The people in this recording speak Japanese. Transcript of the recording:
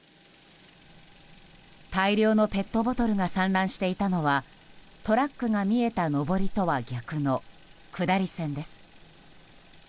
大量のペットボトルが散乱していたのはトラックが見えた上りとは逆の下り線です。